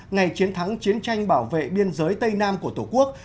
ngày chiến thắng chiến tranh bảo vệ biên giới tây nam của tổ quốc